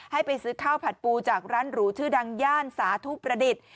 ให้ไปซื้อข้าวผัดปูจากร้านหรูชื่อดังย่านสาธุประดิษฐ์